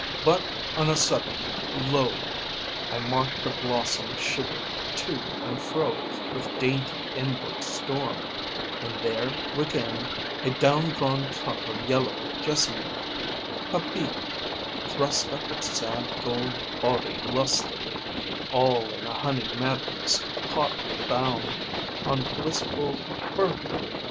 But on a sudden, lo! I marked a blossom shiver to and fro With dainty inward storm; and there within A down drawn trump of yellow jessamine A bee Thrust up its sad gold body lustily, All in a honey madness hotly bound On blissful burglary.